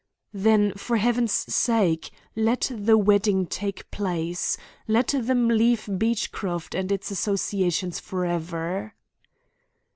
"Then, for Heaven's sake, let the wedding take place. Let them leave Beechcroft and its associations for ever."